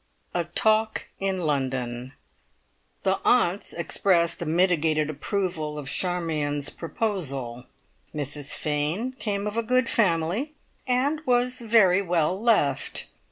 A TALK IN LONDON. The aunts expressed a mitigated approval of Charmion's proposal. Mrs Fane came of a good family, and was "very well left".